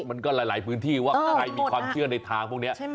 มันก็หลายพื้นที่ว่าใครมีความเชื่อในทางพวกนี้